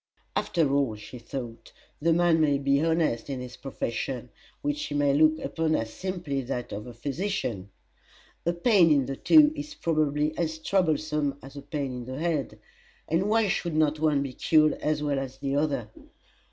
After all, she thought, the man may be honest in his profession, which he may look upon as simply that of a physician. A pain in the toe is probably as troublesome as a pain in the head; and why should not one be cured as well as the other?